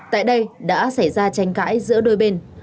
tại đây đã xảy ra tranh cãi giữa đôi bên